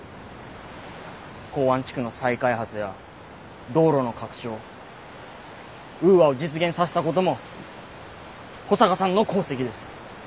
港湾地区の再開発や道路の拡張ウーアを実現させたことも保坂さんの功績です。